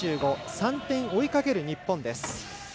３点追いかける日本です。